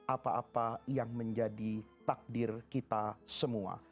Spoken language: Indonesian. apa apa yang menjadi takdir kita semua